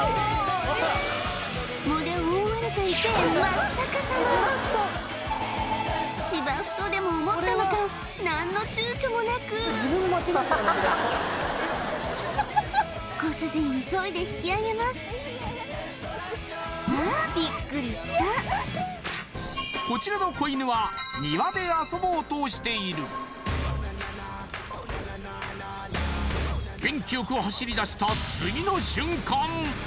藻で覆われた池へ芝生とでも思ったのか何のちゅうちょもなくご主人急いで引き上げますこちらの子犬は庭で遊ぼうとしている元気よく走りだした次の瞬間